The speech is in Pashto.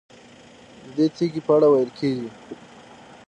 ددې تیږې په اړه ویل کېږي.